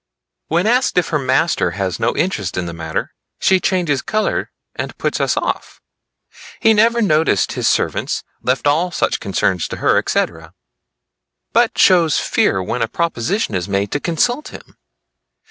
When asked if her master has no interest in the matter, she changes color and puts us off. He never noticed his servants, left all such concerns to her, etc.; but shows fear when a proposition is made to consult him.